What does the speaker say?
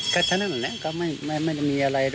แค่ทั้งนั้นแหละก็ไม่ได้มีอะไร